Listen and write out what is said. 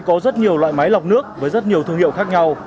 có rất nhiều loại máy lọc nước với rất nhiều thương hiệu khác nhau